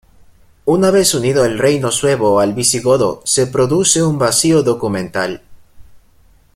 Una vez unido el reino suevo al visigodo se produce un vacío documental.